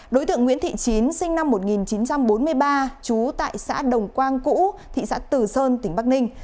đối tượng nguyễn thị chín sinh năm một nghìn chín trăm bốn mươi ba trú tại xã đồng quang cũ thị xã tử sơn tỉnh bắc ninh